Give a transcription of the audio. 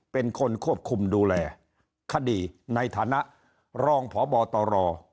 เป็นคนควบคุมดูแลคดีในฐานะรองพบตร